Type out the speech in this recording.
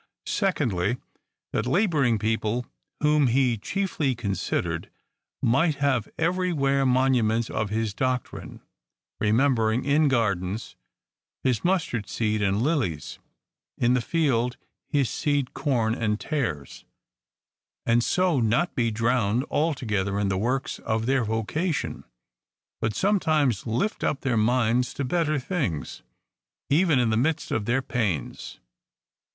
Secondly, that laboring people, whom he chiefly considered, might have every where monuments of his doctrine ; remem bering, in gardens, his mustard seed and lilies ; in the field, his seed corn and tares : and so not be drowned altogether in the works of their vocation, but sometimes lift up their minds to better things, even in the midst of their pains.